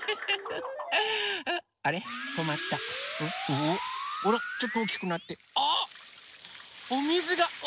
おおあらちょっとおおきくなってああ